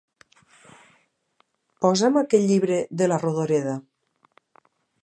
Posa'm aquell llibre de la Rodoreda.